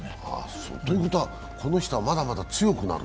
ということはこの人はまだまだ強くなるの？